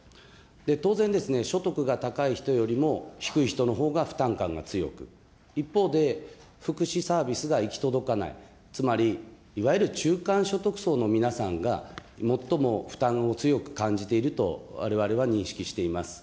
当然ですね、所得が高い人よりも、低い人のほうが負担感が強く、一方で、福祉サービスが行き届かない、つまり、いわゆる中間所得層の皆さんが、最も負担を強く感じているとわれわれは認識しています。